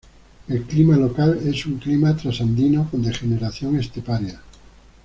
El clima local es un clima trasandino con degeneración esteparia.